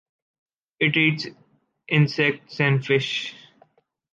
It eats insects and fish.